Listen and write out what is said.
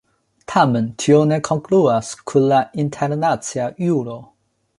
Tamen tio ne kongruas kun la internacia juro.